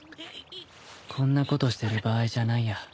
こんなことしてる場合じゃないや。